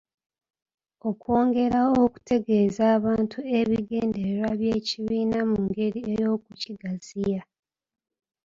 Okwongera okutegeeza abantu ebigendererwa by'ekibiina mu ngeri ey'okukigaziya.